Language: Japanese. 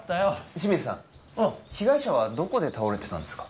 清水さん被害者はどこで倒れてたんですか？